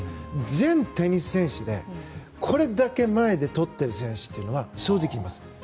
全テニス選手でこれだけ前でとってる選手は正直に言います。